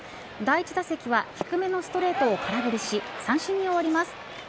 第１打席は低めのストレートを空振りし、三振に終わります。